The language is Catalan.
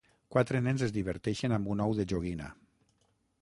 Quatre nens es diverteixen amb un ou de joguina.